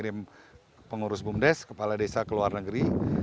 kita mengirim pengurus bumdes kepala desa keluar negeri